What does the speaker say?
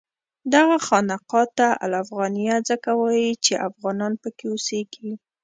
دغه خانقاه ته الافغانیه ځکه وایي چې افغانان پکې اوسېږي.